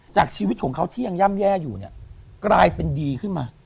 จากชีวิตของเขาที่ยังย่ำแย่อยู่เนี่ยกลายเป็นดีขึ้นมา